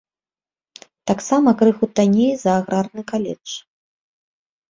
Таксама крыху танней за аграрны каледж.